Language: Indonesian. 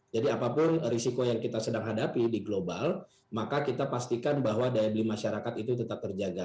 jadi apapun risiko yang kita sedang hadapi di global maka kita pastikan bahwa daya beli masyarakat itu tetap terjaga